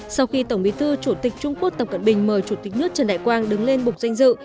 sau khi tổng bí thư chủ tịch trung quốc tập cận bình mời chủ tịch nước trần đại quang đứng lên bục danh dự